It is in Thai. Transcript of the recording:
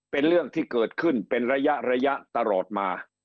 เป็นเรื่องที่เกิดขึ้นเป็นระยะระยะตลอดมา